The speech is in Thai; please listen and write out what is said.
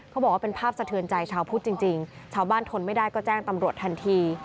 บอกว่าเป็นภาพสะเทือนใจชาวพุทธจริงชาวบ้านทนไม่ได้ก็แจ้งตำรวจทันที